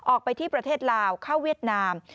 ออกไปที่ประเทศลาวเข้าเวียดนาม